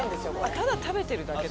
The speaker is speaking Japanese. ただ食べてるだけですか？